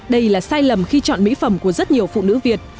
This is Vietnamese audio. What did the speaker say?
đây là sai lầm khi chọn mỹ phẩm của rất nhiều phụ nữ việt